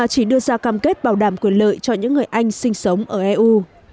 giúp bảo đảm quyền lợi cho những người anh sinh sống ở eu